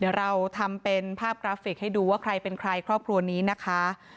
เดี๋ยวเราทำเป็นภาพกราฟิกให้ดูว่าใครเป็นใครครอบครัวนี้นะคะ